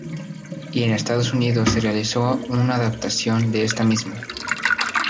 Y en Estados Unidos se realizó un adaptación de esta misma.